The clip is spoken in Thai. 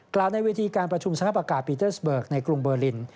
ในเวทีการประชุมสภาพอากาศปีเตอร์สเบิกในกรุงเบอร์ลิน